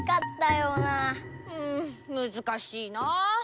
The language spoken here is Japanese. うんむずかしいな。